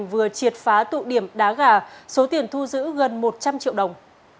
vừa triệt phá tụ điểm đá gà số tiền thu giữ gần một trăm linh triệu đồng